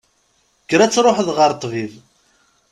Kker ad truḥeḍ ɣer ṭṭbib.